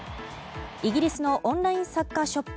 イギリスのオンラインサッカーショップ